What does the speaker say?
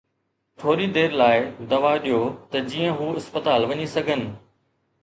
ٿوري دير لاءِ دوا ڏيو ته جيئن هو اسپتال وڃي سگهن.